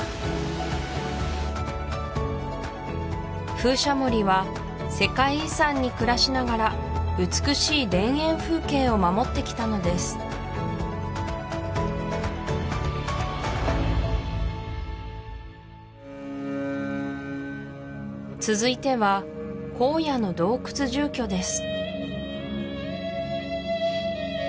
風車守りは世界遺産に暮らしながら美しい田園風景を守ってきたのです続いては荒野の洞窟住居です